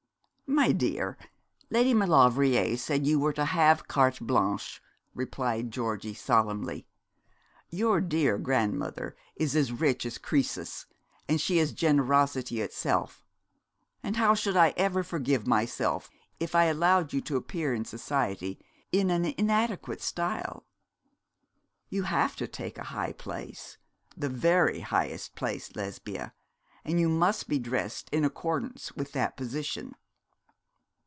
'My dear, Lady Maulevrier said you were to have carte blanche,' replied Georgie, solemnly. 'Your dear grandmother is as rich as Croesus, and she is generosity itself; and how should I ever forgive myself if I allowed you to appear in society in an inadequate style. You have to take a high place, the very highest place, Lesbia; and you must be dressed in accordance with that position.'